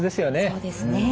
そうですね。